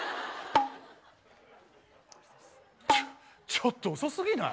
ちょっと遅すぎない？